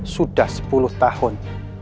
sudah sepuluh tahun